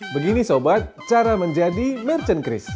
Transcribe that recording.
begini sobat cara menjadi merchant cris